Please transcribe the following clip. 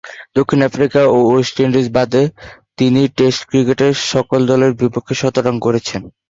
দক্ষিণ আফ্রিকা ও West Indies বাদে তিনি টেস্ট ক্রিকেটের সকল দলের বিরুদ্ধে শতরান করেছেন।